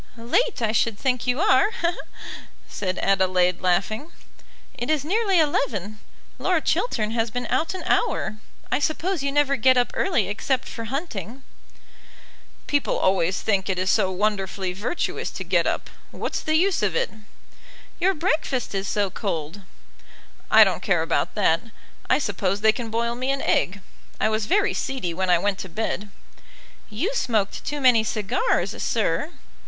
"Late; I should think you are," said Adelaide laughing. "It is nearly eleven. Lord Chiltern has been out an hour. I suppose you never get up early except for hunting." "People always think it is so wonderfully virtuous to get up. What's the use of it?" "Your breakfast is so cold." "I don't care about that. I suppose they can boil me an egg. I was very seedy when I went to bed." "You smoked too many cigars, sir."